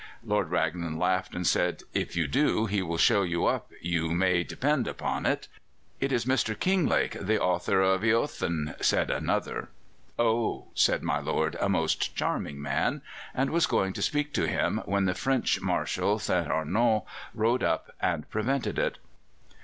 Lord Raglan laughed, and said: "If you do, he will show you up, you may depend upon it." "It is Mr. Kinglake, the author of 'Eōthen,'" said another. "Oh," said my lord, "a most charming man," and was going to speak to him, when the French Marshal St. Arnaud rode up and prevented it.